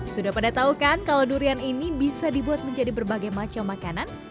sudah pada tahu kan kalau durian ini bisa dibuat menjadi berbagai macam makanan